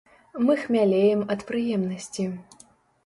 Мы хмялеем ад прыемнасці.